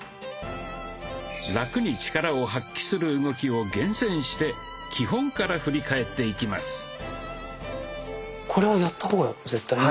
ラクに力を発揮する動きを厳選して基本から振り返っていきます。